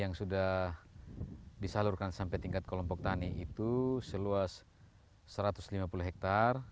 yang sudah disalurkan sampai tingkat kelompok tani itu seluas satu ratus lima puluh hektare